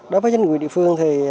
đối với nhân người địa phương